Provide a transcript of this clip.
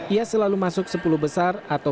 ia selalu masuk sepuluh besar atau